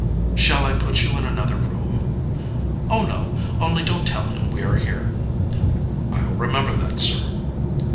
"Shall I put you in another room?" "Oh, no; only don't tell him we are here." "I'll remember that, sir."